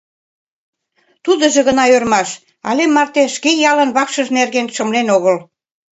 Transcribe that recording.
Тудыжо гына ӧрмаш: але марте шке ялын вакшыж нерген шымлен огыл.